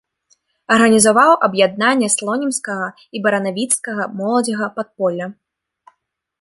Арганізаваў аб'яднанне слонімскага і баранавіцкага моладзевага падполля.